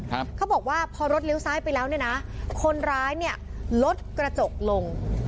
เขาบอกว่าพอรถเลี้ยวซ้ายไปแล้วเนี่ยนะคนร้ายเนี่ยลดกระจกลง